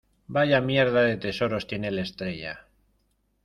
vaya mierda de tesoros tiene el Estrella.